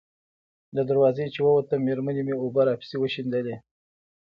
له دروازې چې ووتم، مېرمنې مې اوبه راپسې وشیندلې.